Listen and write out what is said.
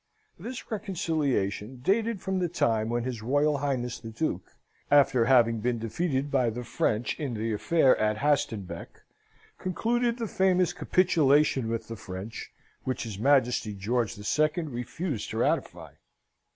This reconciliation dated from the time when his Royal Highness the Duke, after having been defeated by the French, in the affair of Hastenbeck, concluded the famous capitulation with the French, which his Majesty George II. refused to ratify.